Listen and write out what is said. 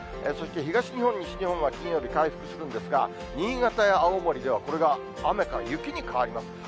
そして東日本、西日本は金曜日、回復するんですが、新潟や青森では、これが雨か雪に変わります。